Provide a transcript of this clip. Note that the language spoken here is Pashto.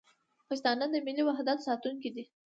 پښتانه د ملي وحدت ساتونکي دي.